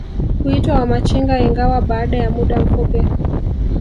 kuitwa Wamachinga ingawa baada ya muda mfupi